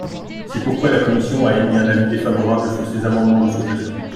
C’est pourquoi la commission a émis un avis défavorable sur ces amendements de suppression.